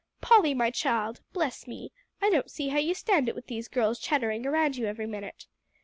Polly, my child. Bless me! I don't see how you stand it with these girls chattering around you every minute.